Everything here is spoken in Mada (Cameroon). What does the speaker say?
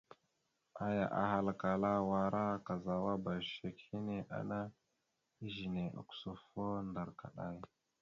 Aya ahalkala: « Wara kazawaba shek hine ana ezine ogǝsufo ndar kaɗay ».